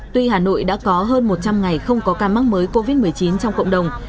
tuy hà nội đã có hơn một trăm linh ngày không có ca mắc mới covid một mươi chín trong cộng đồng